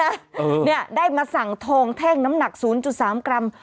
เนี่ยได้มาสั่งทองแท่งน้ำหนัก๐๓กรัม